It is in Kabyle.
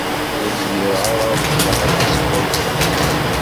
Ur zmireɣ ara ad ẓẓleɣ afus-iw ayeffus.